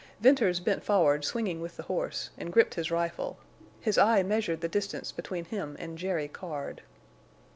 Venters bent forward swinging with the horse, and gripped his rifle. His eye measured the distance between him and Jerry Card.